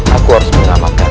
aku harus mengamalkan